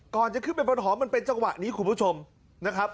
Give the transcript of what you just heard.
ก่อนจะขึ้นไปบนหอมมันเป็นจังหวะนี้คุณผู้ชมนะครับ